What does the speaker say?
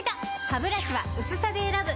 ハブラシは薄さで選ぶ！